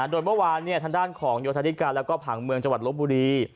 โดยเมื่อวานทางด้านของโยธาธิการแล้วก็ผังเมืองจังหวัดลบบุรี